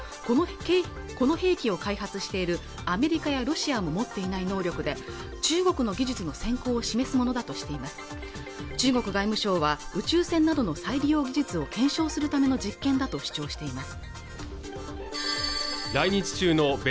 この兵器を開発しているアメリカやロシアも持っていない能力で中国の技術の先行を示すものだとしています中国外務省は宇宙船などの再利用技術を検証するための実験だと主張しています